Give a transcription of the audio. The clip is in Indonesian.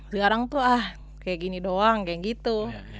dilarang tuh ah kayak gini doang kayak gitu